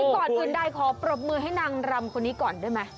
ก่อนอื่นใดขอปรบมือให้นางรำคนนี้ก่อนได้ไหม